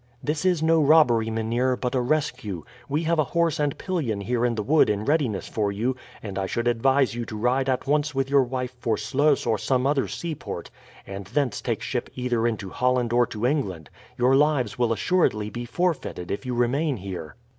"This is no robbery, Mynheer, but a rescue. We have a horse and pillion here in the wood in readiness for you, and I should advise you to ride at once with your wife for Sluys or some other seaport, and thence take ship either into Holland or to England. Your lives will assuredly be forfeited if you remain here."